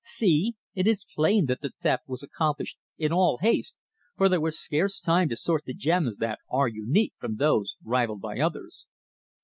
See! It is plain that the theft was accomplished in all haste, for there was scarce time to sort the gems that are unique from those rivalled by others."